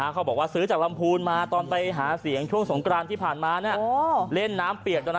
เค้าบอกว่าซื้อจากลำพูนแต่ตอนไปหาเสียงช่วงสงครามไป